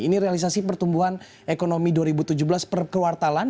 ini realisasi pertumbuhan ekonomi dua ribu tujuh belas per kuartalan